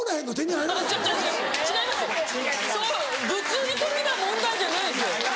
物理的な問題じゃないですよ。